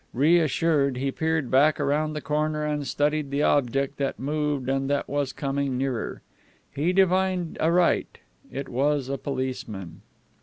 Reassured, he peered back around the corner and studied the object that moved and that was coming nearer. He had divined aright. It was a policeman.